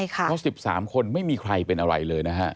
เพราะ๑๓คนไม่มีใครเป็นอะไรเลยนะฮะ